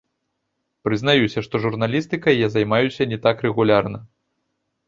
Прызнаюся, што журналістыкай я займаюся не так рэгулярна.